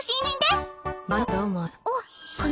あっ！